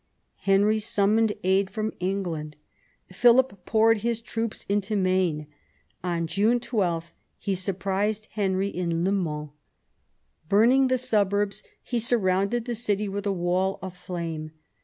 Henry summoned aid from England. Philip poured his troops into Maine. On June 12 he surprised Henry in Le Mans. Burning the suburbs, he surrounded the city with a wall of flame.